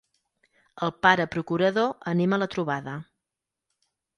El pare procurador anima la trobada.